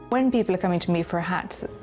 ketika orang datang untuk memakai hati